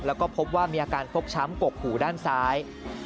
แล้วก็พบว่ามีอาการฟกช้ำกกหูด้านซ้าย